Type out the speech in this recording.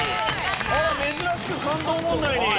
珍しく関東問題に。